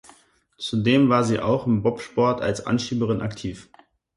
Zudem war sie auch im Bobsport als Anschieberin aktiv.